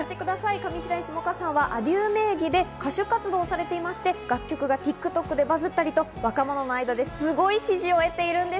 上白石萌歌さんはａｄｉｅｕ名義で歌手活動をされていまして、楽曲がＴｉｋＴｏｋでバズったりと若者の間ですごい支持を得ているんです。